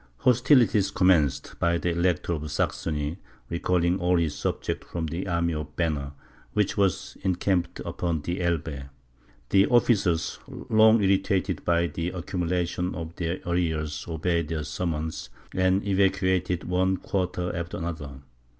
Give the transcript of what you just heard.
Hostilities commenced, by the Elector of Saxony recalling all his subjects from the army of Banner, which was encamped upon the Elbe. The officers, long irritated by the accumulation of their arrears, obeyed the summons, and evacuated one quarter after another.